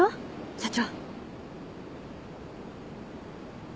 ・社長！